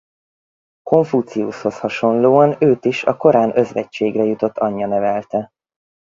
Konfuciuszhoz hasonlóan őt is a korán özvegységre jutott anyja nevelte.